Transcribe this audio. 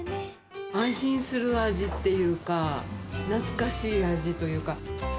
安心する味っていうか、懐かしい味というか。